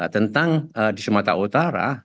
tentang di sumatera utara